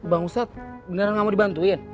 bang ustadz benar nggak mau dibantuin